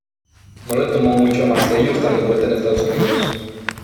No le tomó mucho a Marcello estar de vuelta en Estados Unidos.